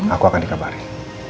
aku akan di kabarin